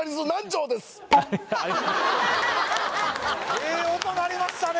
社長ええ音鳴りましたね